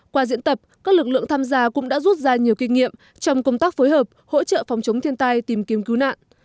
qua diễn tập các lực lượng tham gia cũng đã rút ra nhiều kinh nghiệm trong công tác phối hợp hỗ trợ phòng chống thiên tai tìm kiếm cứu nạn